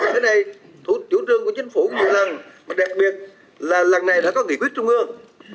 cái này chủ trương của chính phủ như là đặc biệt là làng này đã có nghỉ quyết trung ương